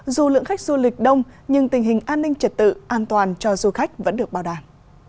dù lượng khách du lịch đông nhưng tình hình an ninh trật tự an toàn cho du khách vẫn được bảo đảm